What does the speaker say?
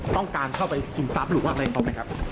ต้องการเข้าไปกินซับหรือว่าทำไมทำไมครับ